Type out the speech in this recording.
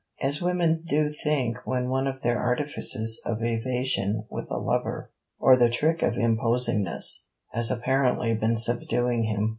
as women do think when one of their artifices of evasion with a lover, or the trick of imposingness, has apparently been subduing him.